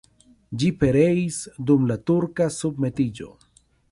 Ĝi pereis dum la turka submetiĝo.